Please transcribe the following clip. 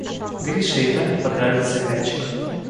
Гриша и Таня подрались за мячик.